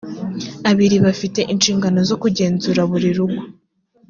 abiri bafite inshingano zo kugenzura buri rugo